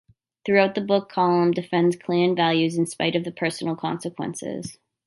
Throughout the book Calum defends clan values in spite of the personal consequences.